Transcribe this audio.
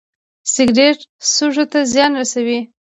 سګرټ سږو ته زیان رسوي